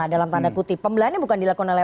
dalam tanda kutip pembelahannya bukan dilakukan oleh